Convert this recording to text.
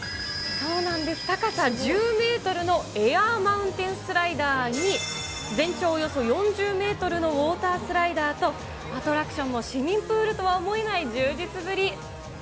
そうなんです、高さ１０メートルのエアーマウンテンスライダーに、全長およそ４０メートルのウォータースライダーと、アトラクションも市民プールとは思えない充実ぶり。